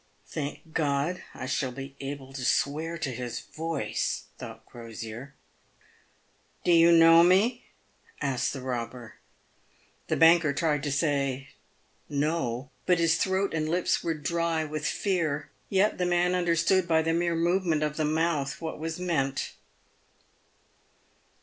"Thank God!. I shall be able to swear to his voice," thought Crosier. "Do you know me ?" asked the robber. The banker tried to say " No," but his throat and lips were dry with fear, yet the man understood by the mere movement of the mouth what was meant.